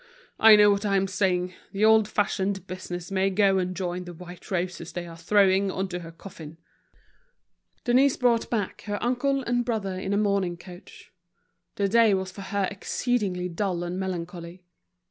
I know what I am saying, the old fashioned business may go and join the white roses they are throwing on to her coffin." Denise brought back her uncle and brother in a mourning coach. The day was for her exceedingly dull and melancholy.